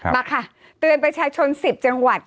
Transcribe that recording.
มาค่ะเตือนประชาชน๑๐จังหวัด